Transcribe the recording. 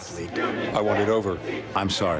saya ingin berakhir